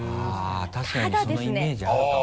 確かにそのイメージあるかも。